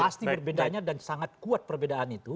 pasti berbedanya dan sangat kuat perbedaan itu